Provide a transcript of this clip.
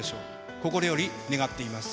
心より願っています。